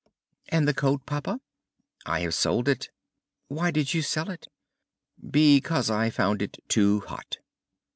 "And the coat, papa?" "I have sold it." "Why did you sell it?" "Because I found it too hot."